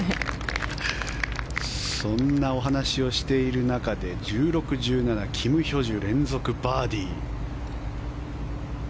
そんなお話をしている中で１６、１７キム・ヒョジュ連続バーディー。